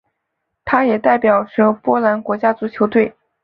他也代表波兰国家足球队。